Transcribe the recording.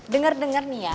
dengar dengar nih ya